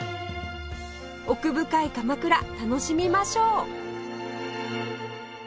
奥深い鎌倉楽しみましょう